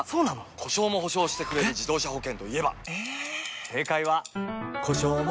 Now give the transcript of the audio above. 故障も補償してくれる自動車保険といえば？